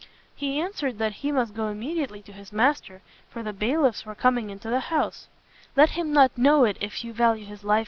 He answered that he must go immediately to his master, for the bailiffs were coming into the house. "Let him not know it if you value his life!"